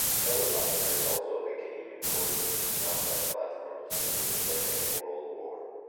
Helicopters also became important combat platforms since the Second World War.